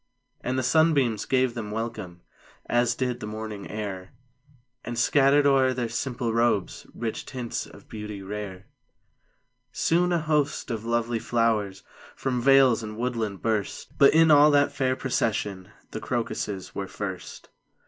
And the sunbeams gave them welcome. As did the morning air And scattered o'er their simple robes Rich tints of beauty rare. Soon a host of lovely flowers From vales and woodland burst; But in all that fair procession The crocuses were first.